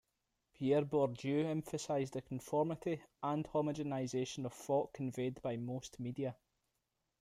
Pierre Bourdieu emphasized the conformity and homogenization of thought conveyed by most media.